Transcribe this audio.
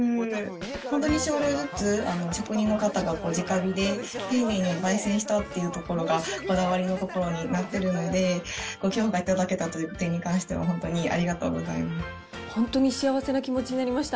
本当に少量ずつ職人の方がじか火で丁寧にばい煎したっていうところがこだわりのところになってるので、ご評価いただけたという点に関しては、本当にありがとうございま本当に幸せな気持ちになりました。